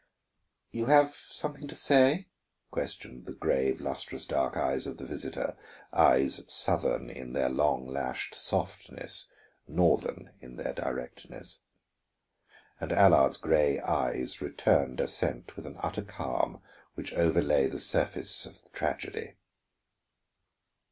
"You have something to say?" questioned the grave, lustrous dark eyes of the visitor; eyes southern in their long lashed softness, northern in their directness. And Allard's gray eyes returned assent with an utter calm which overlay the surface of tragedy.